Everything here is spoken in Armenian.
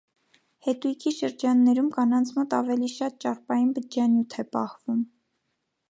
Հետույքի շրջաններում կանանց մոտ ավելի շատ ճարպային բջջանյութ է պահվում։